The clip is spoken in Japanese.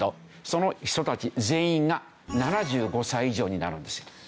その人たち全員が７５歳以上になるんですよ。